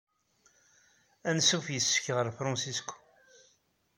Anṣuf yes-k ɣer San Francisco.